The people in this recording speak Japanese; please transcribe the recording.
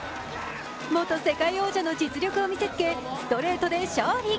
元世界王者の実力を見せつけストレートで勝利。